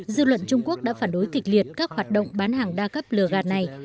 dư luận trung quốc đã phản đối kịch liệt các hoạt động bán hàng đa cấp lừa gạt này